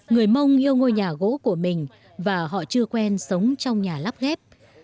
người mông yêu ngôi nhà gỗ của mình và họ chưa quen sống trong nhà lắp ghép